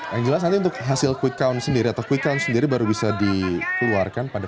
yang jelas untuk hasil quick count sendiri atau kita sendiri baru bisa dikeluarkan pada